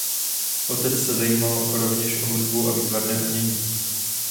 Otec se zajímal rovněž o hudbu a výtvarné umění.